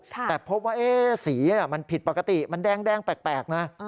แต่พบว่าสีมันผิดปกติมันแดงแปลกนะ